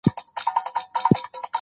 له خوابه يې وېښ کړم.